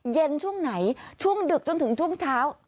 ช่วงไหนช่วงดึกจนถึงช่วงเช้า